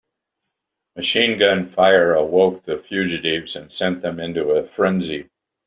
Machine gun fire awoke the fugitives and sent them into a frenzy.